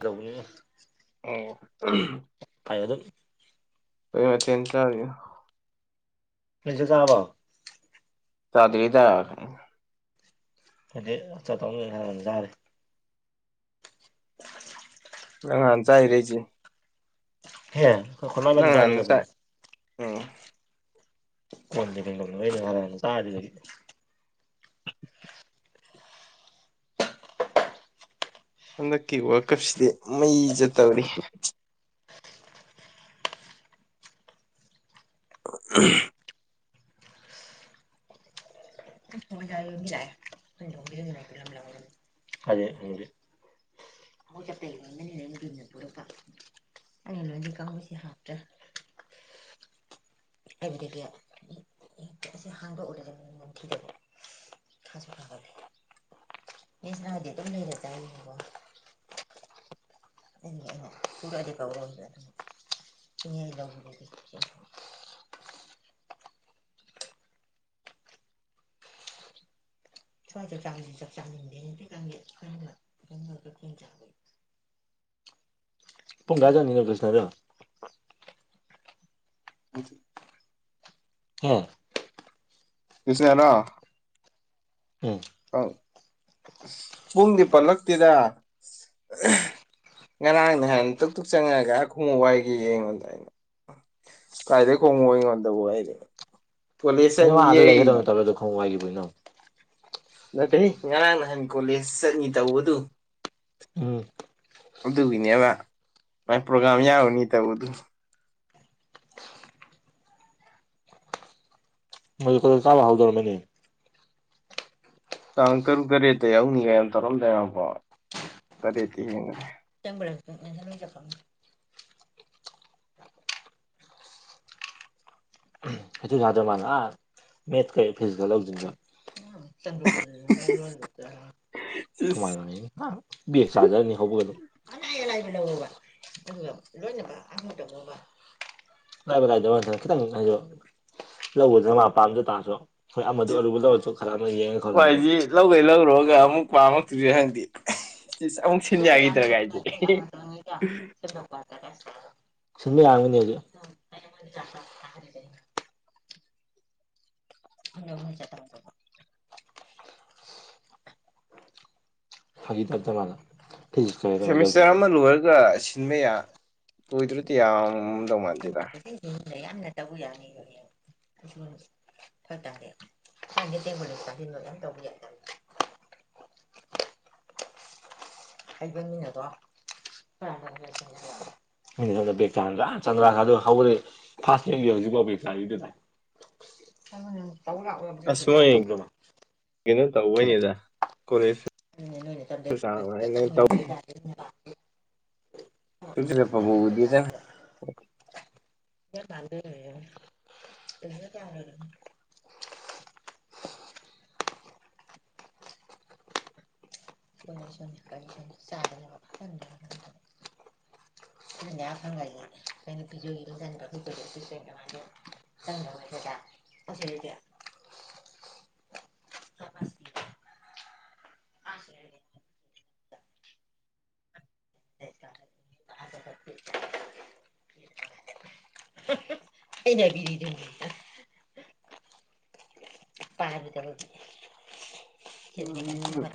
ꯗꯧꯅꯤ ꯑꯣ ꯀꯩ ꯃꯊꯦꯟ ꯆꯥꯔꯤꯅꯣ ꯆꯥꯛ ꯆꯥꯔꯕꯣ ꯆꯥꯗꯔꯤꯗ ꯍꯥꯏꯗꯤ ꯆꯠꯇꯧꯅꯤ ꯈꯜꯅ ꯆꯥꯔꯦ [inaudible] [inaudible] ꯑ ꯆꯥꯏꯔꯦꯁꯤ [inaudible] ꯍꯣ ꯅꯪ ꯍꯥꯟꯅ ꯆꯥꯏ ꯎꯝ ꯀꯩꯅꯔ ꯆꯥ [unintelligible] ꯍꯟꯗꯛꯀꯤ ꯋꯥꯀꯞꯁꯤꯗꯤ ꯃꯩ ꯆꯠ ꯇꯧꯔꯤ [unintelligible] ꯍ ꯌꯥꯏ ꯌꯥꯏꯦ [unintelligible] ꯔꯥꯛ ꯂꯝꯂꯝ ꯂ [unintelligible] ꯑꯗꯦ ꯑꯪꯗꯦ ꯆꯄ ꯂꯣꯟꯒꯅꯤ ꯅꯣꯏꯅ ꯄꯨꯔꯒ ꯑ ꯂꯣꯏꯗꯤ ꯀꯥꯁꯤꯦ ꯍꯥꯞꯇ꯭ꯔꯥ [unintelligible] [unintelligible] ꯑꯁꯤ ꯍꯥꯡꯗꯣꯛꯎꯂꯁꯦꯊꯤꯗ ꯊꯖ [unintelligible] ꯃꯤꯁ ꯑꯗꯤ ꯇ ꯂꯩꯅ ꯆꯥꯏꯅꯤꯣ [unintelligible] ꯎ [unintelligible] ꯊ [unintelligible] ꯀ ꯆꯖ ꯆ [unintelligible] [inaudible] [unintelligible] ꯀꯦ [unintelligible] ꯄꯨꯡꯒꯥꯥꯖꯥꯅꯤꯉꯒꯣꯁꯅꯣ ꯑꯗꯨ ꯍ [unintelligible] ꯔ ꯎꯝ ꯑꯥꯎ ꯄꯨꯡꯗꯤ ꯄꯜꯂꯛꯇꯦꯗ ꯉꯔꯥꯡ ꯅꯍꯥꯟ ꯇꯨꯛ ꯇꯨꯛ ꯆꯪꯉꯒ ꯈꯣꯡꯎ ꯋꯥꯏꯒꯦꯌꯦ ꯌꯦꯡꯉꯣꯟꯗ ꯀꯥꯏꯗꯩ ꯈꯨꯉꯨꯞ ꯑꯩꯉꯣꯜꯗꯕꯨ ꯀꯩꯅ ꯃꯥ ꯑꯗ ꯂꯩꯦꯗꯅ ꯇꯂꯦꯗ ꯈꯣꯡ ꯋꯥꯈꯤꯕꯕꯨꯅꯣ ꯅꯠꯇꯦꯍꯦ ꯉꯔꯥꯡ ꯅꯍꯥꯟ ꯀꯣꯂꯦꯁ ꯆꯠꯅꯤ ꯇꯧꯕꯗꯨ ꯎꯝ ꯑꯗꯨꯒꯤꯅꯦꯕ ꯃꯥꯏ ꯄ꯭ꯔꯣꯒꯥꯝ ꯌꯥꯎꯅꯤ ꯇꯧꯕꯗꯨ ꯃꯗꯨ ꯈꯔ ꯆꯥꯕ ꯍꯧꯗꯔꯝꯃꯅꯤ ꯇꯥꯡ ꯇꯔꯨꯛ ꯇꯔꯦꯠꯇ ꯌꯥꯎꯅꯤꯡꯉ ꯇꯧꯔꯝꯗꯥꯏꯅꯦꯕꯣ ꯇꯔꯦꯠꯇꯤ ꯌꯦꯡꯈꯔꯦ ꯆꯪꯕꯔꯥ ꯈꯅꯖ ꯃꯣꯏꯖ ꯈꯪ [unintelligible] ꯑꯗꯨ ꯋꯥꯗꯣ ꯃꯅ [unintelligible] ꯊ ꯏꯁ ꯃꯥꯜ [unintelligible] ꯆꯖꯔꯅꯤ ꯍꯧꯕꯒꯩꯅꯣ [unintelligible] ꯂꯕ ꯂ ꯀ [unintelligible] ꯂꯧꯕꯗ ꯉ ꯄꯥꯝꯗ ꯇꯥꯔꯁꯨ ꯍꯣꯏ ꯑꯃꯗ ꯑꯔꯨꯕ ꯂꯧꯔꯁꯨ ꯈꯔ ꯑꯃ ꯌꯦꯡꯉ ꯍꯣꯏ ꯈꯣꯠꯂꯒꯀꯣ ꯍꯥꯏꯁꯤ ꯂꯧꯈꯩ ꯂꯧꯔꯨꯔꯒ ꯑꯃꯨꯛ ꯄꯥꯝꯃꯛꯇ꯭ꯔꯤꯔ ꯈꯪꯗꯦ ꯁꯤꯁ ꯑꯃꯨꯛ ꯁꯤꯟ ꯌꯥꯈꯤꯗ꯭ꯔꯥꯒꯥꯏꯁꯦ ꯁꯨꯝꯃꯤ ꯌꯥꯥꯡꯒꯅꯤ ꯍꯧꯖꯤꯛ ꯀ [unintelligible] [unintelligible] ꯐꯒꯤ [unintelligible] ꯁꯦꯃꯤꯁꯇꯔ ꯑꯃ ꯂꯣꯏꯔꯒ ꯁꯤꯟꯕ ꯌꯥ ꯂꯣꯏꯗ꯭ꯔꯗꯤ ꯌꯥꯝꯗꯧ ꯃꯥꯟꯗꯦꯗ ꯑꯩꯁꯦꯟꯅ ꯌꯥꯝꯅ ꯇꯧꯕ ꯌꯥꯅꯤꯕ ꯐ ꯇꯒꯦ ꯊꯥꯡꯒꯦ ꯊꯦꯡꯕ ꯆꯥꯁꯤꯂꯣ ꯌꯥꯝ ꯇꯧꯒꯦ ꯍꯩꯕꯟ ꯃꯤꯉꯗꯣ [unintelligible] ꯐꯥꯗꯤ ꯍꯧꯖꯤꯛꯐꯥꯎ ꯕꯦꯛ ꯅꯥꯔꯤꯗꯨꯅ ꯊꯖꯃ ꯑꯁ ꯃꯣꯏ ꯀꯩꯅꯣ ꯊꯂ ꯇꯧꯕꯩꯅꯤꯗ ꯀꯣꯂꯦꯖ ꯅꯅꯦ ꯅꯣꯏꯅꯦ ꯇ [inaudible] ꯗꯥ [inaudible] ꯏꯦ ꯆꯥꯡ ꯅꯥꯏꯅ ꯇꯧ ꯆꯨꯞꯁꯤꯜꯂꯛꯄꯕꯨ ꯎꯗꯦꯗ ꯀ [inaudible] ꯀꯖ [inaudible] ꯂꯁ ꯀꯦꯩꯅꯦ [inaudible] ꯊꯗ ꯑꯣꯁꯗ [inaudible] ꯁ ꯀꯔꯦ [inaudible] ꯑꯩꯩꯅꯕꯤ [unintelligible] [inaudible] ꯄꯔꯕꯤ ꯆꯂꯗꯤ [inaudible] ꯎꯝ [inaudible]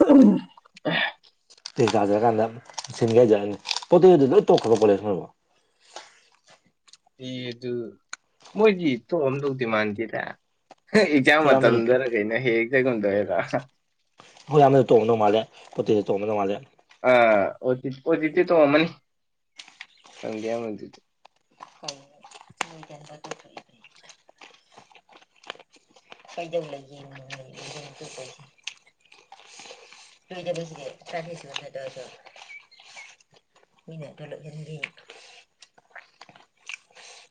ꯎꯝ ꯇꯥꯖꯔ ꯀꯥꯟꯗ ꯁꯤ ꯍꯥꯏꯖꯅꯤꯣ ꯂꯣꯏ ꯇꯣꯛꯈ꯭ꯔꯕ ꯀꯣꯂꯦꯖꯣ [inaudible] ꯑꯦ ꯑꯗꯨ ꯃꯣꯏꯒꯤ ꯇꯣꯛꯑꯝꯗꯧꯗꯤ ꯃꯥꯟꯗꯦꯗ ꯏꯛꯖꯥꯡ ꯑꯩꯈꯣꯏ ꯏꯌꯥꯝꯕꯁꯨ ꯃꯇꯝꯗꯅ ꯑꯩꯈꯣꯏ ꯀꯩꯅꯣ ꯍꯦꯛ ꯆꯩꯒꯨꯝꯗꯣꯏ ꯍꯦꯔꯥ ꯃꯣꯏꯌꯥꯝꯅꯗ ꯇꯣꯡꯅꯃꯇꯩ ꯃꯥꯜꯂꯦ ꯄꯣꯠꯇꯦꯁꯨ ꯇꯣꯡꯅꯅꯕꯧ ꯃꯥꯜꯂꯦ ꯑ ꯑꯣꯖꯤꯠꯇꯦ ꯇꯣꯡꯑꯃꯅꯤ ꯃꯣꯏꯇ ꯇꯣꯛ ꯊꯣꯛꯦ [inaudible] ꯀꯩꯗꯧ ꯂꯩꯒꯦ ꯂꯩ [inaudible] ꯎ [inaudible] ꯆ ꯇ ꯃꯤ ꯇꯂ [inaudible]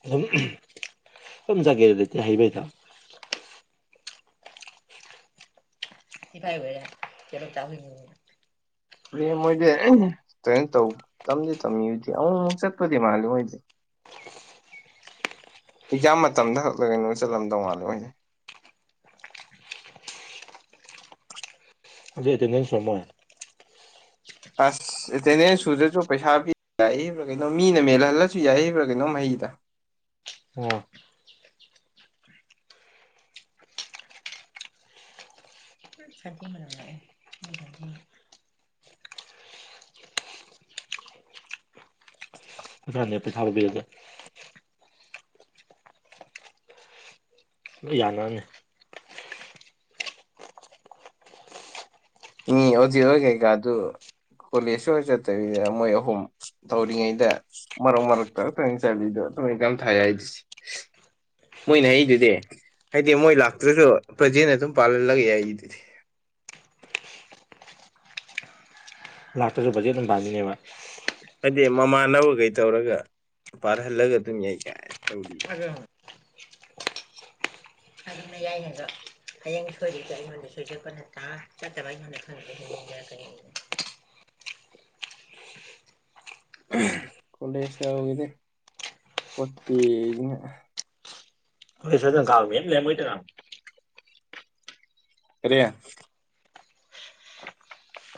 ꯑꯗꯨꯝ ꯑꯗꯨꯝ ꯖꯒꯦ ꯂꯩꯇꯦ ꯍꯩꯕꯩꯗ ꯁꯤꯐꯥꯏ ꯑꯣꯏ ꯀꯂꯣ ꯆꯥꯕ [inaudible] ꯑꯦ ꯃꯣꯏꯗꯤ ꯀꯩꯅꯣ ꯇꯧ ꯇꯝꯗꯤ ꯇꯝꯃꯤꯗꯤ ꯑꯃꯨꯛ ꯑꯃꯨꯛ ꯆꯠꯄꯗꯤ ꯃꯥꯜꯂꯤ ꯃꯣꯏꯗꯤ ꯑꯦꯛꯖꯥꯝ ꯃꯇꯝꯗ ꯈꯛꯗ ꯆꯠꯂꯝꯗꯧ ꯃꯥꯜꯂꯦ ꯃꯣꯏꯇꯤ ꯑꯗꯨ ꯑꯦꯇꯦꯟꯗꯦꯟꯁ‌ꯦ ꯃ‌ꯣꯏ ꯑꯁ ꯑꯦꯇꯦꯟꯗꯦꯟꯁ ꯁꯨꯗ꯭ꯔꯁꯨ ꯄꯩꯁꯥ ꯄꯤ ꯌꯥꯔꯤꯕ꯭ꯔꯥ ꯀꯩꯅꯣ ꯃꯤꯅ ꯃꯦꯜꯍꯜꯂꯁꯨ ꯌꯥꯏꯌꯦꯕ꯭ꯔꯥ ꯀꯩꯅꯣ ꯍꯩꯗ ꯑꯣ ꯍꯔꯥꯅꯦ ꯄꯩꯁꯥ ꯕꯤꯕꯗ ꯂꯣꯏ ꯌꯥꯅꯕꯅꯦ ꯏ ꯑꯣꯖꯤꯠꯍꯣꯏ ꯀꯩꯀꯥꯗꯨ ꯀꯣꯂꯦꯖ ꯆꯠꯇꯕꯤꯗ ꯃꯣꯏ ꯑꯍꯨꯝ ꯇꯧꯔꯤꯉꯩꯗ ꯃꯔꯛ ꯃꯔꯛꯇ ꯑꯗꯨ ꯏ ꯆꯕꯤꯗꯣ ꯑꯗꯨ ꯏ ꯀ ꯊꯥꯏ ꯍꯥꯏꯔꯤꯁꯦ ꯃꯣꯏꯅ ꯍꯥꯏꯗꯨꯗꯤ ꯍꯥꯏꯗꯤ ꯃꯣꯏ ꯂꯥꯛꯇ꯭ꯔꯁꯨ ꯄ꯭ꯔꯖꯦꯟꯅ ꯑꯗꯨꯝ ꯄꯥꯜꯍꯜꯂꯒ ꯌꯥꯏ ꯍꯥꯏꯗꯨꯗꯤ ꯂꯥꯛꯇꯔꯁꯨ ꯑꯗꯨꯝ ꯕꯥꯟꯕꯤꯅꯦꯕ ꯍꯥꯏꯗꯤ ꯃꯃꯥꯟꯅꯕꯈꯩ ꯇꯧꯔꯒ ꯄꯥꯔꯍꯜꯂꯒ ꯑꯗꯨꯝ ꯌꯥꯏ ꯀꯥꯏ ꯇꯧꯔꯤ [unintelligible] ꯏꯌꯥ ꯌꯥꯏꯗ ꯍꯌꯦꯡ ꯁꯣꯏꯗꯗ ꯑꯩꯉꯣꯟꯗ ꯁꯣꯏꯖꯛꯄ ꯉꯇꯥ ꯆꯠꯇꯕ ꯑꯩꯉꯣꯟꯗ ꯈꯪꯗꯦ ꯍꯅꯤꯡꯅ ꯀꯔꯤ ꯀꯂꯦꯖ ꯌꯧꯔꯗꯤ ꯄꯠꯇꯤꯖꯤꯅ [inaudible] [unintelligible] ꯀꯥꯔꯤ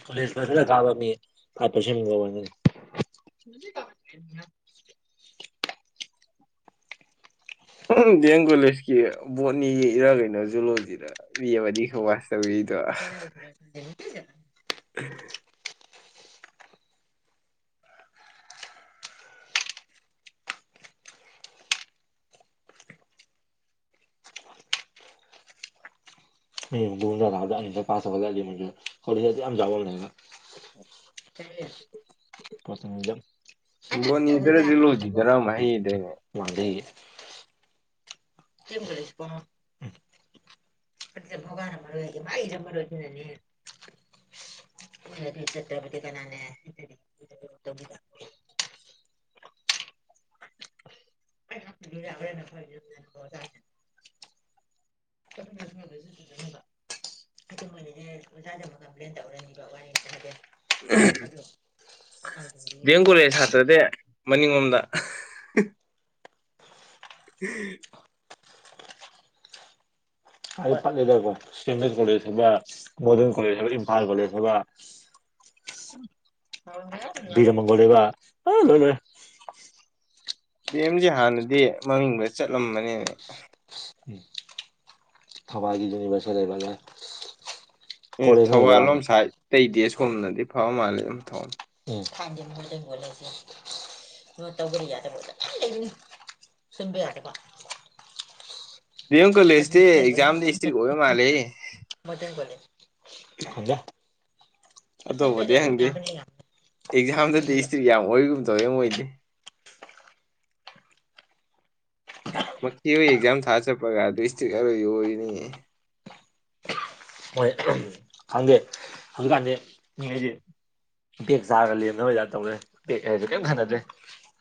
ꯀꯣꯂꯦꯖ ꯐꯖꯟꯅꯥ ꯀꯕ ꯃꯤ ꯐꯥꯏ꯭ꯞ ꯄꯔꯁꯟ ꯃꯨꯛ ꯑ‌ꯣꯏꯔꯝꯅꯤ [unintelligible] ꯎꯝ ꯗꯤ ꯑꯦꯝ ꯀꯣꯂꯦꯖꯀꯤ ꯕꯣꯔꯠꯅꯤ ꯏꯔꯥꯡ ꯀꯩꯅꯣꯁꯨ ꯂꯣꯏꯗ꯭ꯔꯤꯔ [unintelligible] [unintelligible] [unintelligible] ꯕꯣꯅꯤꯗꯔ ꯖꯨꯂ‌ꯣꯖꯤꯗꯔ ꯑꯝ ꯍꯥꯏꯒꯤꯗꯥꯏꯅ‌‌ꯦ ꯋꯥꯟꯗꯩ [unintelligible] [unintelligible] ꯑꯗꯨꯗꯤ ꯆꯇ꯭ꯔꯄꯨꯇ ꯀꯅꯥꯅ [unintelligible] [unintelligible] [unintelligible] ꯀꯝꯄ꯭ꯂꯦꯟ ꯇꯧꯔꯅꯤꯕ ꯋꯥꯔꯤ ꯁꯥ ꯗꯤ ꯑꯦꯝ ꯀꯣꯂꯦꯖ ꯁꯥꯇ꯭ꯔꯗꯤ ꯃꯅꯤꯡꯂꯣꯝꯗ [unintelligible] ꯑꯩ ꯐꯠꯂꯦꯗꯀꯣ ꯁꯤ ꯑꯦꯝ ꯑꯦꯁ ꯀꯣꯂꯦꯖ ꯍꯥꯏꯕ ꯃꯣꯗꯔꯟ ꯀꯣꯂꯦꯖ ꯍꯥꯏꯕ ꯏꯝꯐꯥꯜ ꯀꯣꯂꯦꯖ ꯍꯥꯏꯕ ꯕꯤꯔ ꯃꯒꯣꯜ ꯂ‌ꯣꯏꯔ‌ꯦ ꯗꯦꯝ ꯖꯤ ꯍꯥꯟꯅꯗꯤ ꯃꯃꯤꯡꯒ ꯆꯠꯂꯝꯕꯅꯤ꯫ ꯊꯕꯥꯏꯒꯤ ꯌꯨꯅꯤꯚꯔꯁꯦꯜ ꯂꯩꯕꯉꯅꯦ꯫ ꯊꯧꯕꯥꯜꯂꯣꯝ ꯁꯥꯏꯠ ꯇꯩꯗꯤ ꯁꯣꯝꯅꯗꯤ ꯐꯕ ꯃꯥꯜꯂꯦ ꯑꯗꯨꯝ ꯊꯧ ꯊꯥꯟꯗꯦ ꯃꯣꯠꯂꯦ ꯃꯣꯠꯂꯁꯦ ꯅꯣ ꯇꯧꯕ꯭ꯔ ꯌꯥꯗꯕ ꯃꯣꯠꯂ ꯂꯩꯅꯤ꯫ ꯁꯤꯝꯕ ꯌꯥꯗꯕ ꯗꯤꯑ‌ꯦꯝ ꯀꯂꯦꯁꯇꯦ ꯑꯦꯛꯖꯥꯝꯗꯗꯤ ꯁꯇ꯭ꯔꯤꯛ ꯑꯣꯏꯕ ꯃꯥꯂꯦ ꯃꯊꯦꯡ ꯀꯂꯦ ꯑꯇꯧꯕꯗꯤ ꯍꯪꯗꯦ꯫ ꯑꯦꯛꯖꯥꯝꯗꯗꯤ ꯍꯤꯁꯇ꯭ꯔꯤ ꯌꯥꯝ ꯑꯣꯏꯒꯨꯝ ꯇꯧꯋꯦ ꯃꯣꯏꯗꯤ ꯑꯦꯛꯖꯥꯝ ꯊꯥ ꯆꯠꯄꯒ ꯑꯗꯨ ꯏꯁꯇ꯭ꯔꯤꯛ ꯑꯔ‌ꯣꯏꯕꯤ ꯑꯣꯏꯅꯤ꯫ ꯍꯣꯏ ꯈꯪꯗꯦ ꯍꯪꯒꯥꯗꯦ ꯕꯦꯒ ꯆꯥꯔꯒ ꯂꯦꯝꯅꯕ ꯇꯥꯏꯞ ꯇꯧꯔꯦ ꯕꯦꯒ ꯍꯥꯏꯁꯦ ꯀꯦꯝ ꯈꯥꯟꯅꯗ꯭ꯔꯦ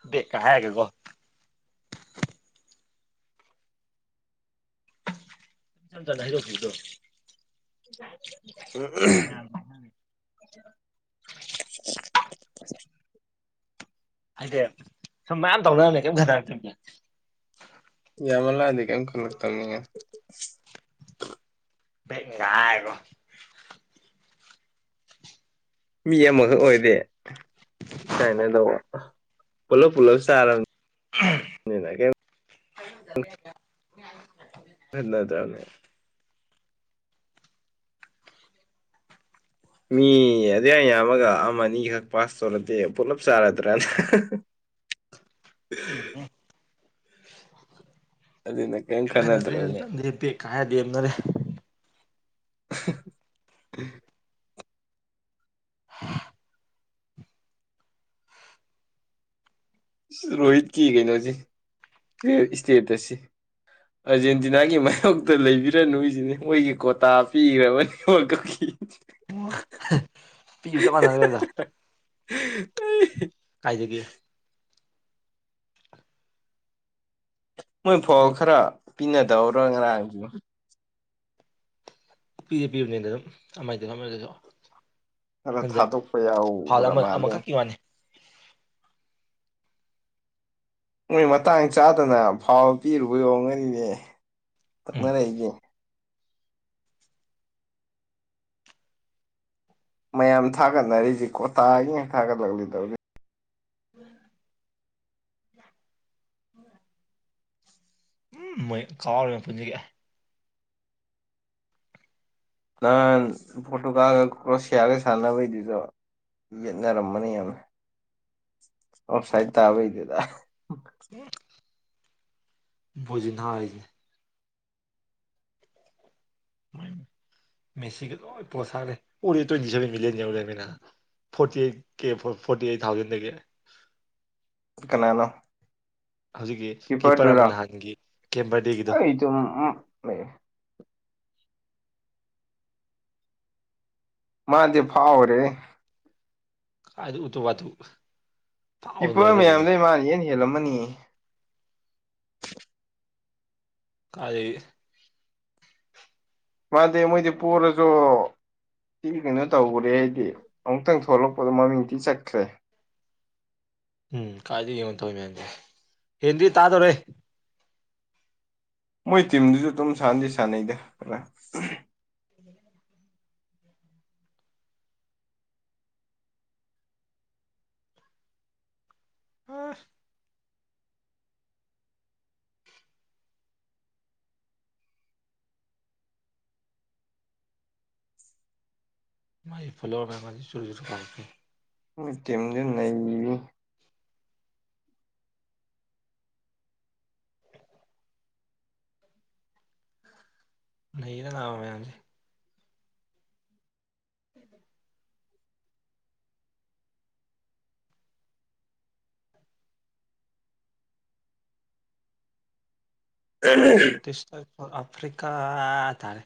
ꯕꯦꯒꯀ ꯍꯥꯏꯔꯒꯀꯣ꯫ [unintelligible] [inaudible] [inaudible] ꯍꯥꯏꯗꯤ ꯁꯨꯝ ꯃꯌꯥꯝ ꯇꯧꯅꯔꯝꯃꯦ ꯀꯩꯝ ꯈꯗꯔꯛꯇꯕꯅꯦ꯫ ꯌꯥꯃꯜꯂꯛꯑꯗꯤ ꯀꯦꯝ ꯈꯜꯂꯛꯇꯝꯅꯤꯅꯦ꯫ ꯕꯦꯒ ꯅꯦꯀꯥ ꯍꯥꯏꯔꯣ꯫ ꯃꯤ ꯑꯃꯈꯛ ꯑꯣꯏꯗꯦ ꯀꯥꯏꯅ ꯇꯧꯕ ꯄꯨꯂꯞ ꯄꯨꯂꯞ ꯆꯥꯔ [unintelligible] [unintelligible] ꯃꯤ ꯑꯗꯨ ꯑ ꯌꯥꯝꯃꯒ ꯑꯃ ꯑꯅꯤꯈꯛ ꯄꯥꯁ ꯇꯧꯔꯗꯦ ꯄꯨꯂꯞ ꯆꯥꯔꯗ꯭ꯔꯅ ꯑꯗꯨꯅ ꯀꯩꯝ ꯀ‌ꯦꯝ ꯈꯅꯗ꯭ꯔꯦ ꯑꯗꯨꯝ ꯈꯟꯅꯗ꯭ꯔꯕꯅꯦ ꯆꯪꯗꯦ ꯄꯕꯦꯛ ꯂ‌ꯦꯝꯅꯔ‌ꯦ꯫ ꯔꯣꯍꯤꯠꯀꯤ ꯀꯩꯅꯣꯁꯤ ꯏꯁꯇꯦꯇꯁꯁꯤ ꯑꯔꯖꯦꯟꯇꯤꯅꯥꯒꯤ ꯃꯥꯥꯏꯌꯣꯛꯇ ꯂꯩꯕꯤꯔꯅꯨ ꯍꯥꯏꯁꯤꯅꯤ ꯃꯣꯏꯒꯤ ꯀꯣꯇꯥ ꯄꯤꯒ꯭ꯔꯕꯅꯤ ꯋꯥꯔꯜꯀꯞ ꯀꯤ꯫ [unintelligible] [unintelligible] ꯃꯥꯟꯅꯔꯦꯗ [unintelligible] ꯀꯥꯏꯗꯒꯤ ꯃꯣꯏ ꯐꯧ ꯈꯔ ꯄꯤꯅꯗꯧꯔꯥ ꯉꯔꯥꯡ ꯄꯤꯗꯤ ꯄꯤꯕꯅꯤꯗ ꯑꯗꯨꯝ ꯑꯃꯥꯏꯗꯁꯨ ꯑꯃꯥꯏꯗꯁꯨ ꯈꯔ ꯊꯥꯗꯣꯛꯄ ꯐꯥꯜ ꯌꯥꯎꯕ꯭ꯔ ꯑꯃ ꯃꯥꯜꯂꯦ ꯑꯃꯈꯛꯀꯤ ꯋꯥꯅꯤ꯫ ꯅꯣꯏ ꯃꯇꯥꯡ ꯆꯥꯗꯅ ꯐꯥꯎꯟ ꯄꯤꯔꯨꯕꯩ ꯌꯣꯉꯅꯤꯅ ꯎꯝ ꯇꯛꯅꯔꯛꯏꯒꯦ꯫ ꯃꯌꯥꯝ ꯊꯥꯒꯠꯅꯔꯤꯁꯦ ꯀꯣꯇꯥꯒꯤ ꯊꯥꯒꯠꯂꯛꯂꯤꯗꯧꯅꯤ꯫ [inaudible] [unintelligible] ꯅꯍꯥꯟ ꯐꯣꯇꯣꯒꯜ ꯀꯣꯔꯁꯤꯌꯥꯔꯒ ꯁꯥꯟꯅꯕꯩꯗꯨꯗ ꯌꯦꯠꯅꯦꯔꯝꯃꯅꯤ ꯌꯥꯝ ꯑꯣꯐ ꯁꯥꯏ ꯇꯕꯩꯗꯨꯗ ꯕꯨꯖꯤꯍꯥꯔ ꯃꯦꯁꯤꯒ ꯂꯣꯏ ꯄꯣꯠ ꯁꯥꯔꯦ ꯎꯔ ꯇ꯭ꯋꯦꯟꯇꯤ ꯁꯚꯦꯟ ꯃꯤꯂꯤꯌꯟ ꯌꯧꯔꯃꯤꯅ forty eight K forty eight ꯊꯥꯎꯖꯟꯗꯒꯤ꯫ ꯀꯅꯥꯅꯣ ꯍꯧꯖꯤꯛꯀꯤ ꯀꯤꯞꯄꯔ ꯑꯃ ꯀꯤꯞꯄꯔꯗꯨꯔꯣ ꯅꯍꯥꯟꯒꯤ ꯀꯦꯝꯕꯔꯗꯦꯒꯤꯗꯣ [inaudible] ꯃꯥꯗꯤ ꯐꯥꯎꯔꯦ [inaudible] ꯐꯥꯎꯅ ꯀꯤꯞꯄꯔ ꯂꯣꯏꯔꯦ ꯀꯩꯅꯣ ꯃꯌꯥꯝꯗꯩ ꯃꯥꯅ ꯏꯍꯦꯟ ꯍꯦꯜꯂꯝꯃꯅꯤ ꯀꯥꯢꯗꯩ ꯃꯥꯗꯤ ꯃꯣꯏꯗꯤ ꯄꯣꯔꯥꯖꯨ ꯇꯤ ꯀꯩꯅꯣ ꯇꯧꯈꯔꯦ ꯍꯥꯏꯗꯤ ꯑꯃꯨꯛꯇꯪ ꯊꯣꯛꯂꯛꯄꯗꯣ ꯃꯃꯤꯡꯇꯤ ꯆꯠꯈ꯭ꯔꯦ ꯎꯝ ꯀꯥꯏꯗꯤ ꯌꯦꯡꯉꯣꯟ ꯇꯧꯔꯤ ꯃꯌꯝꯁꯦ ꯍꯦꯟꯗꯤ ꯇꯥꯗꯣꯔꯦ ꯃꯣꯏ ꯇꯤꯝꯗꯨꯁꯨ ꯑꯗꯨꯝ ꯁꯥꯟꯅꯗꯤ ꯁꯥꯟꯅꯩꯗ ꯎꯝ [inaudible] ꯍꯐ [inaudible] [inaudible] ꯇꯤꯝꯗꯤ ꯅꯩꯕꯅꯤꯍꯦ ꯅꯩꯗ ꯃꯌꯥꯝꯖꯦ ꯎ [unintelligible] ꯎꯝ [inaudible] ꯏꯁ ꯇꯥꯏꯝ ꯐꯣꯔ ꯑꯐ꯭ꯔꯤꯀꯥ ꯇꯥꯔꯦ